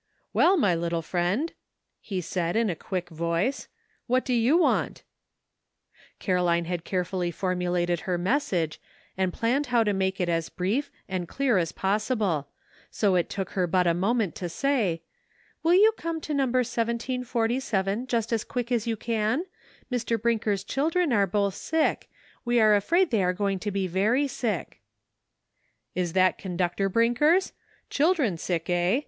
" Well, my little friend," he said, in a quick voice, " what do you want ?" Caroline had carefully formulated her mes sage, and planned how to make it as brief .and clear as possible, so it took her but a moment to say, "Will you come to No. 1747 just as quick as you can ? Mr. Brinker's children are both sick ; we are afraid they are going to be very sick." A TRYING POSITION. 135 "Is that Conductor Brinker's? Children sick, eh